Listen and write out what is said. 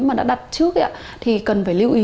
mà đã đặt trước thì cần phải lưu ý